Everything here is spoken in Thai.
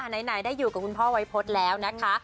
ไหนได้อยู่กับคุณพ่อวัยพฤษแล้วนะคะ